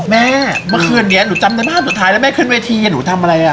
แม่เมื่อคืนนี้หนูจำได้ภาพสุดท้ายแล้วแม่ขึ้นเวทีหนูทำอะไรอ่ะ